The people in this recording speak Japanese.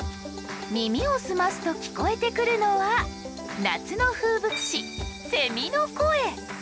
耳を澄ますと聞こえてくるのは夏の風物詩セミの声。